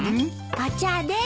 お茶です。